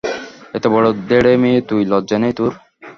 এতবড় ধেড়ে মেয়ে তুই, লজ্জা নেই তোর?